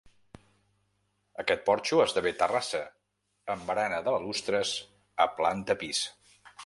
Aquest porxo esdevé terrassa, amb barana de balustres, a planta pis.